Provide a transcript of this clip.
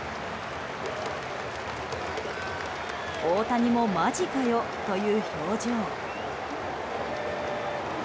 大谷もマジかよという表情。